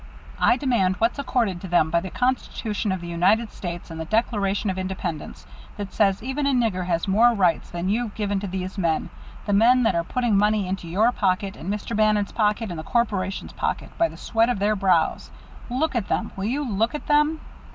I demand what's accorded to them by the Constitution of the United States and the Declaration of Independence, that says even a nigger has more rights than you've given to these men, the men that are putting money into your pocket, and Mr. Bannon's pocket, and the corporation's pocket, by the sweat of their brows. Look at them; will you look at them?"